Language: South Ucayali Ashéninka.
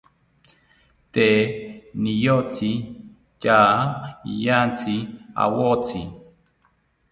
Tee niyotzi tya iyatzi awotzi